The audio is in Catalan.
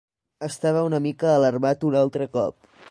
Estava una mica alarmat un altre cop.